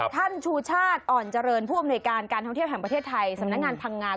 ชูชาติอ่อนเจริญผู้อำนวยการการท่องเที่ยวแห่งประเทศไทยสำนักงานพังงา